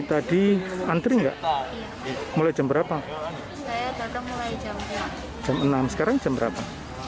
tadi antre nggak mulai jam berapa saya terdengar mulai jam enam sekarang jam berapa